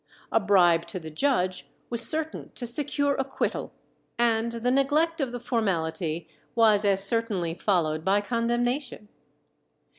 A bribe to the judge was certain to secure acquittal, and the neglect of the formality was as certainly followed by condemnation.